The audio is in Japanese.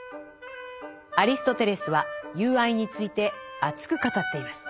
アリストテレスは「友愛」について熱く語っています。